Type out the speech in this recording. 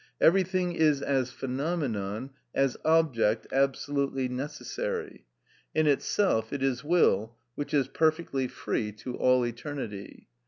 Everything is as phenomenon, as object, absolutely necessary: in itself it is will, which is perfectly free to all eternity.